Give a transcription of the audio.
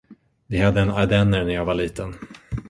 Vi hade en ardenner när jag var liten.